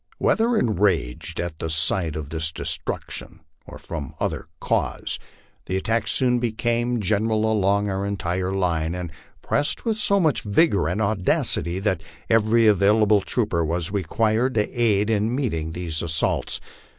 Whether enraged at the sight of this destruction or from other cause, the attack soon became general along our entire line, and pressed with so much vigor and audacity that every available trooper was required to aid in meeting these assaults.